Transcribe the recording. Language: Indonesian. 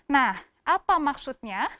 nah apa maksudnya